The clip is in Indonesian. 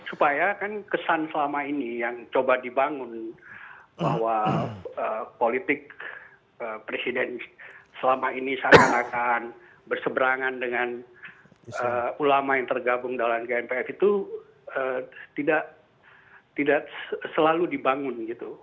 supaya kan kesan selama ini yang coba dibangun bahwa politik presiden selama ini seakan akan berseberangan dengan ulama yang tergabung dalam gnpf itu tidak selalu dibangun gitu